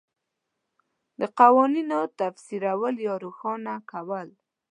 د قوانینو تفسیرول یا روښانه کول